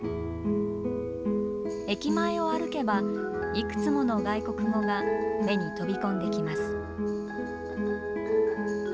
駅前を歩けば、いくつもの外国語が目に飛び込んできます。